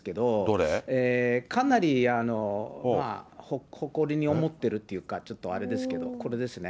かなり誇りに思ってるっていうか、ちょっとあれですけど、これですね。